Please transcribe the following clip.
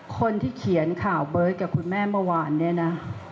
คนที่เขียนข่าวเบิร์ตกับคุณแม่เมื่อวานเนี่ยนะ